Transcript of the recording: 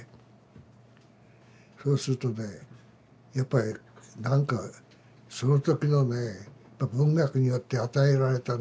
そうするとねやっぱり何かその時のね文学によって与えられたね